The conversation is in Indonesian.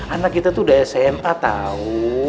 anak kita tuh udah sma tahu